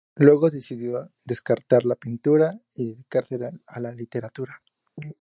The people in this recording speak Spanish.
Luego decidió descartar la pintura, y dedicarse a la literatura.